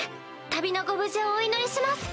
旅のご無事をお祈りします。